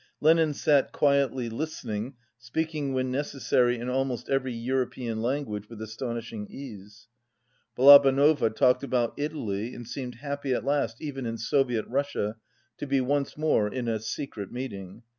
Lenin sat quietly listening, speaking when necessary in al most every European language with astonishing ease. Balabanova talked about Italy and seemed happy at last, even in Soviet Russia, to be once more in a "secret meeting."